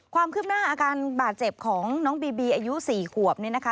ความคืบหน้าอาการบาดเจ็บของน้องบีบีอายุ๔ขวบเนี่ยนะคะ